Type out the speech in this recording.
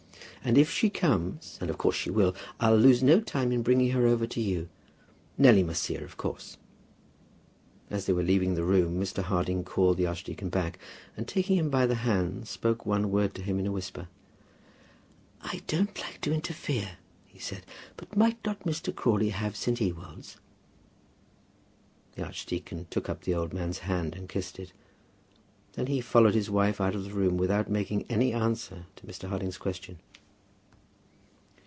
"And if she comes and of course she will I'll lose no time in bringing her over to you. Nelly must see her of course." As they were leaving the room Mr. Harding called the archdeacon back, and taking him by the hand, spoke one word to him in a whisper. "I don't like to interfere," he said; "but might not Mr. Crawley have St. Ewold's?" The archdeacon took up the old man's hand and kissed it. Then he followed his wife out of the room, without making any answer to Mr. Harding's question.